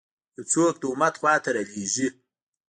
یو څوک د امت خوا ته رالېږي.